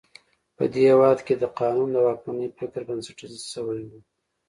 په دې هېواد کې د قانون د واکمنۍ فکر بنسټیزه شوی و.